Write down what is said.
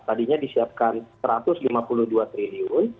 tadinya disiapkan rp satu ratus lima puluh dua triliun